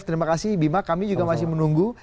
terima kasih bima kami juga masih menunggu